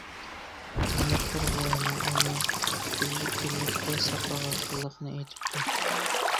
خىزمەتكار بوۋاينىڭ ئۇنى گۈللۈكتە ساقلاۋاتقانلىقىنى ئېيتىپتۇ.